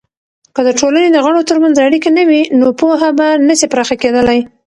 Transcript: که د ټولني دغړو ترمنځ اړیکې نه وي، نو پوهه به نسي پراخه کیدلی.